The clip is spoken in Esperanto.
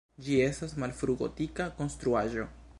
Ĝi estas malfrugotika konstruaĵo.